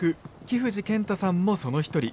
木藤健太さんもその一人。